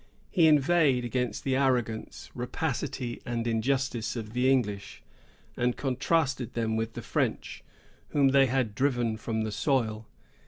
He inveighed against the arrogance, rapacity, and injustice, of the English, and contrasted them with the French, whom they had driven from the soil.